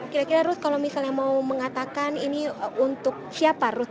kira kira rus kalau misalnya mau mengatakan ini untuk siapa rush